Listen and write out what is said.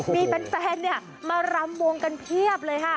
มีแฟนมารำวงกันเพียบเลยค่ะ